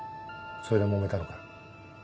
それでもめたのか？